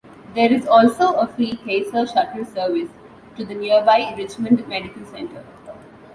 There is also a free Kaiser Shuttle service to the nearby Richmond Medical Center.